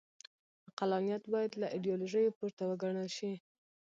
عقلانیت باید له ایډیالوژیو پورته وګڼل شي.